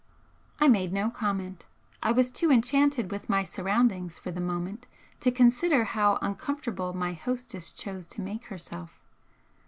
I made no comment. I was too enchanted with my surroundings for the moment to consider how uncomfortable my hostess chose to make herself.